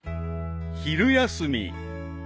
［昼休み］